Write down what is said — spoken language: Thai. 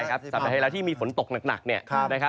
ใช่ครับสัปดาห์ให้แล้วที่มีฝนตกหนัก